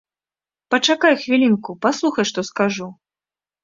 Пачакай хвілінку, паслухай, што скажу.